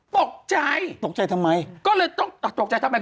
ตกใจนี่ก็เลยต้องเอาล่ะตกใจทำไม